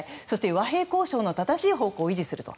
和平交渉の正しい方向を維持すると。